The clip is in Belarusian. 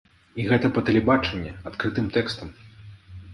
І гэта па тэлебачанні, адкрытым тэкстам!